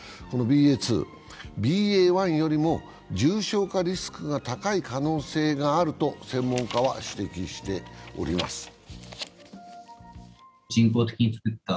このＢＡ．２、ＢＡ．１よりも重症化リスクが高い可能性があると専門家は指摘しております。